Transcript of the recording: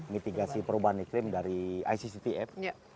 mitigasi perubahan iklim dari icctf